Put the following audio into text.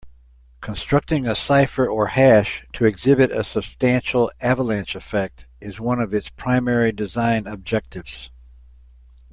Constructing a cipher or hash to exhibit a substantial avalanche effect is one of its primary design objectives.